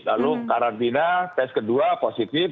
lalu karantina tes kedua positif